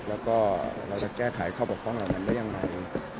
แล้วก็เราจะแก้ไขข้อปกป้องเหล่านั้นได้ยังไง